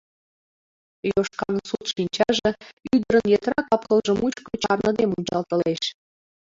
Йошкан сут шинчаже ӱдырын йытыра капкылже мучко чарныде мунчалтылеш.